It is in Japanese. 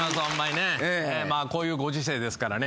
まあこういうご時世ですからね